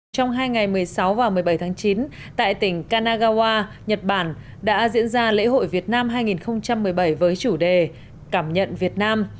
trong hai ngày một mươi sáu và một mươi bảy tháng chín tại tỉnh kanagawa nhật bản đã diễn ra lễ hội việt nam hai nghìn một mươi bảy với chủ đề cảm nhận việt nam